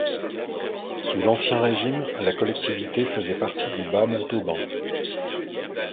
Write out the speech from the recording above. Sous l'Ancien Régime, la collectivité faisait partie du Bas-Montauban.